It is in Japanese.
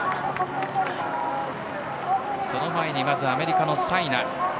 その前にアメリカのサイナ。